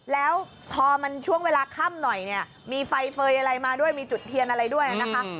แล้วพอมันช่วงเวลาค่ำหน่อยเนี่ยมีไฟเฟย์อะไรมาด้วยมีจุดเทียนอะไรด้วยนะคะ